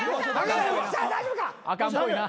あかんっぽいな。